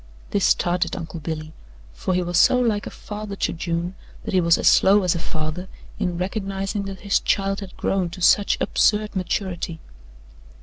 This startled Uncle Billy, for he was so like a father to June that he was as slow as a father in recognizing that his child has grown to such absurd maturity.